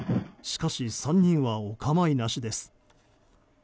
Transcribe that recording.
しかし３人は、お構いなしです。